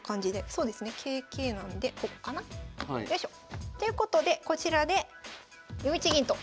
そうですね桂桂なのでここかな？よいしょ。ということでこちらで４一銀と。